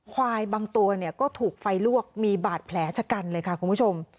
ควายบางตัวเนี่ยก็ถูกไฟลวกมีบาดแผลชะกันเลยค่ะคุณผู้ชม